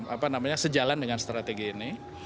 apa namanya sejalan dengan strategi ini